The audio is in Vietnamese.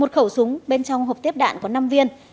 một khẩu súng bên trong hộp tiếp đạn có năm viên